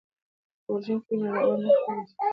که اوروژونکي وي نو اور نه خپریږي.